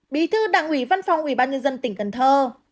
bí thư đảng ủy văn phòng ủy ban nhân dân tỉnh cần thơ